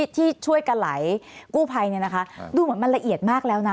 ที่ช่วยกระไหลกู้ภัยดูเหมือนมันละเอียดมากแล้วนะ